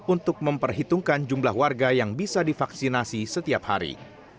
untuk memperhitungkan jumlah warga yang bisa divaksinasi setiap hari